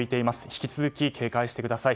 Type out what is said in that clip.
引き続き、警戒してください。